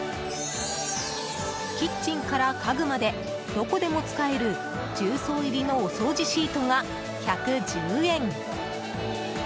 キッチンから家具までどこでも使える重曹入りのおそうじシートが１１０円。